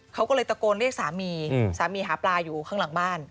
เขาก็เลยตะโกนเรียกสามีสามีหาปลาอยู่ข้างหลังบ้าน